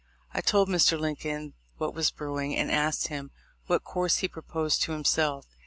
I told Mr. Lincoln what was brewing, and asked him what course he proposed to himself.